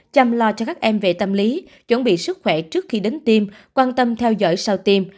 chăm lo cho các em về tâm lý chuẩn bị sức khỏe trước khi đến tim quan tâm theo dõi sau tiêm